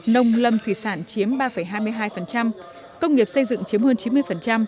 nông lâm thủy sản chiếm ba hai mươi hai công nghiệp xây dựng chiếm hơn chín mươi